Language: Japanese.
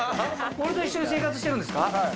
これと一緒に生活してるんですか？